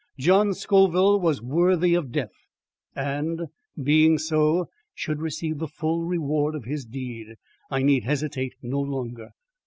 John Scoville was worthy of death, and, being so, should receive the full reward of his deed. I need hesitate no longer.